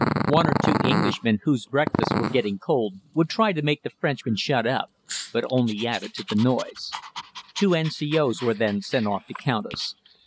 One or two Englishmen whose breakfasts were getting cold would try to make the Frenchmen shut up, but only added to the noise. Two N.C.O.'s were then sent off to count us.